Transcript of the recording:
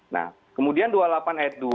nah kemudian dua puluh delapan ayat dua